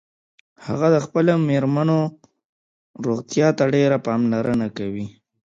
هغه د خپلې میرمنیروغتیا ته ډیره پاملرنه کوي